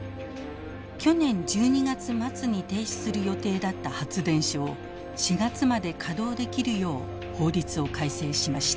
去年１２月末に停止する予定だった発電所を４月まで稼働できるよう法律を改正しました。